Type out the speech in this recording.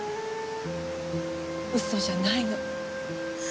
嘘じゃないの。